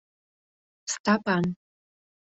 Стапан.